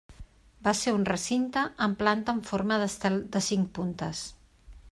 Va ser un recinte amb planta en forma d'estel de cinc puntes.